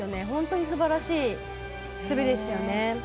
本当にすばらしい滑りでしたよね。